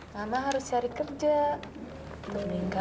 mama harus cari kebunnya